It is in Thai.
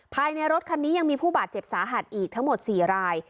ภายในรถคันนี้ยังมีผู้บาดเจ็บสาหัสอีกทั้งหมด๔ราย